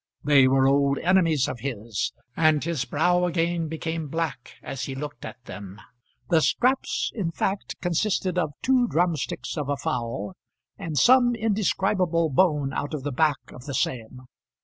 They were old enemies of his, and his brow again became black as he looked at them. The scraps in fact consisted of two drumsticks of a fowl and some indescribable bone out of the back of the same.